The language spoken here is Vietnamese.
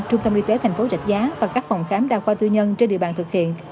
trung tâm y tế thành phố rạch giá và các phòng khám đa khoa tư nhân trên địa bàn thực hiện